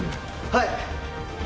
はい！